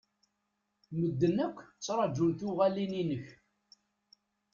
Medden akk ttrajun tuɣalin-inek.